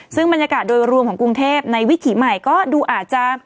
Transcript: ซึ่งบรรยากาศโดยรวมของกรุงเทพในวิถีใหม่ก็ดูอาจจะ